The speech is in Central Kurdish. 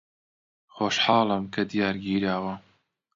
خۆشحاڵم کە دیار گیراوە.